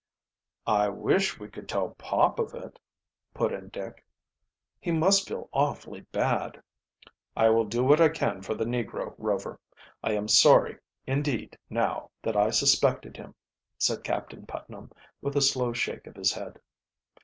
"I wish we could tell Pop of it," put in Dick. "He must feel awfully bad." "I will do what I can for the negro, Rover. I am very sorry indeed, now, that I suspected him," said Captain Putnam, with a slow shake of his head.